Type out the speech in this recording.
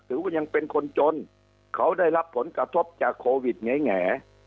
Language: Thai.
ก็ยังเป็นคนจนเขาได้รับผลกระทบจากโควิดแง่